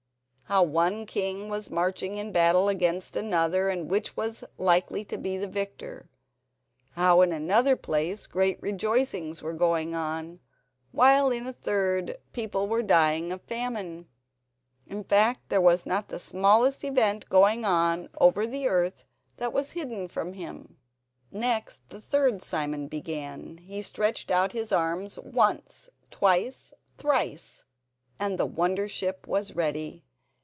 How one king was marching in battle against another, and which was likely to be the victor. How, in another place, great rejoicings were going on, while in a third people were dying of famine. In fact there was not the smallest event going on over the earth that was hidden from him. Next the third Simon began. He stretched out his arms, once, twice, thrice, and the wonder ship was ready.